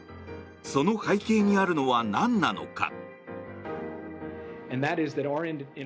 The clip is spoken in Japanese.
その背景にあるのはなんなのか。